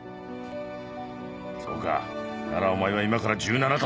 そうかならお前は今から十七太だ。